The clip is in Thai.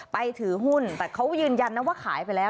ถือหุ้นแต่เขายืนยันนะว่าขายไปแล้ว